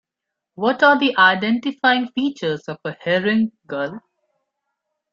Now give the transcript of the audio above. What are the identifying features of a herring gull?